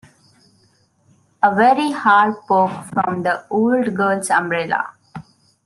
A very hard poke from the old girl's umbrella.